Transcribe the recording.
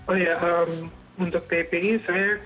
oh ya untuk tpi saya